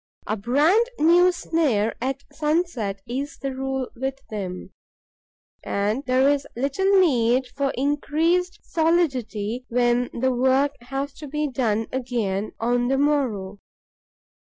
A brand new snare at sunset is the rule with them. And there is little need for increased solidity when the work has to be done again on the morrow.